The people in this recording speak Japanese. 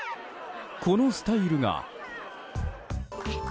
このスタイルが。